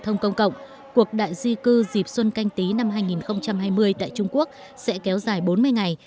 thông công cộng cuộc đại di cư dịp xuân canh tí năm hai nghìn hai mươi tại trung quốc sẽ kéo dài bốn mươi ngày